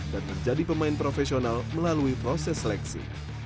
dan menjadi pemain profesional melalui proses seleksi